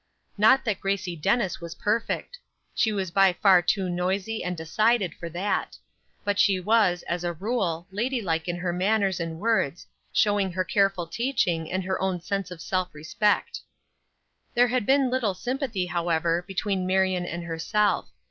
Not that Gracie Dennis was perfect; she was by far too noisy and decided for that; but she was, as a rule, lady like in her manners and words, showing her careful teaching and her own sense of self respect. There had been little sympathy, however, between Marion and herself.